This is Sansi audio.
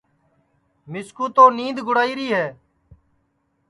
مِسکُو تو نید گُڑائیری ہے